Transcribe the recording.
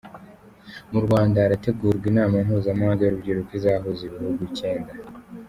Mu Rwanda harategurwa Inama mpuzamahanga y’urubyiruko izahuza ibihugu icyenda